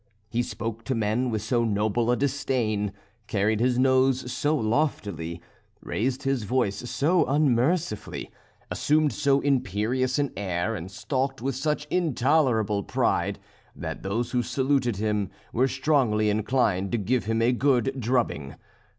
He spoke to men with so noble a disdain, carried his nose so loftily, raised his voice so unmercifully, assumed so imperious an air, and stalked with such intolerable pride, that those who saluted him were strongly inclined to give him a good drubbing.